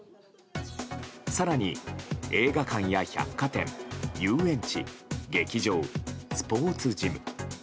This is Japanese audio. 更に、映画館や百貨店遊園地、劇場、スポーツジム。